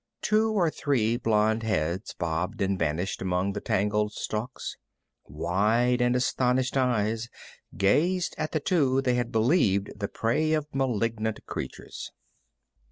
Two or three blond heads bobbed and vanished among the tangled stalks. Wide and astonished eyes gazed at the two they had believed the prey of malignant creatures.